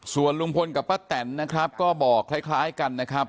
ส่วนลุงพลกับป้าแตนนะครับก็บอกคล้ายกันนะครับ